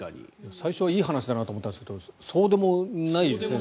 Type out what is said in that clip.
最初はいい話だなと思ったんですがそうでもないようですね